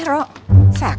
tidak ada apa apa